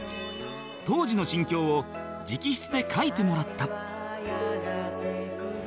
当時の心境を直筆で書いてもらった